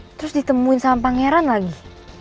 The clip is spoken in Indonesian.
terus ditemuin sama pangeran lagi